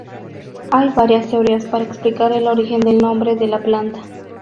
Hay varias teorías para explicar el origen del nombre de la planta.